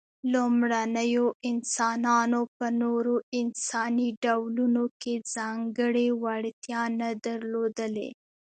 لومړنيو انسانانو په نورو انساني ډولونو کې ځانګړې وړتیا نه درلودلې.